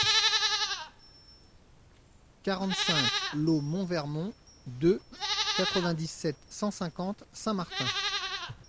quarante-cinq lOT MONT VERNON deux, quatre-vingt-dix-sept, cent cinquante, Saint Martin